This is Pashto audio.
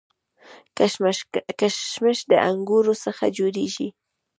کشمش د انګورو څخه جوړیږي